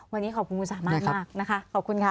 วันนี้ขอบคุณคุณสามารถมากนะคะขอบคุณค่ะ